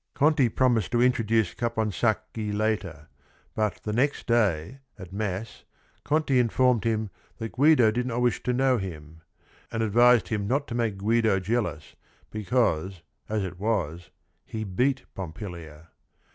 Conti promised to CAPONSACCHI 81 introduce Caponsacchi later, but the next day, at mass, Conti informed him that Guido did not wish to know him, — and advised him not to make Guido jealous because, as it was, he beat Pompilia.